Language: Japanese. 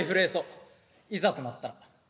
いざとなったら。